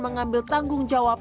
mengambil tanggung jawab